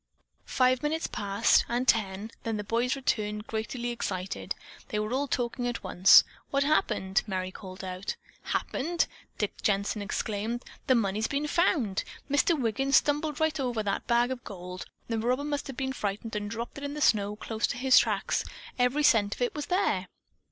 Five minutes passed, and ten; then the boys returned greatly excited. They were all talking at once. "What happened?" Merry called out. "Happened?" Dick Jensen exclaimed. "The money's been found. Mr. Wiggin stumbled right over that bag of gold. The robber must have been frightened and dropped it in the snow close to his tracks. Every cent of it was there."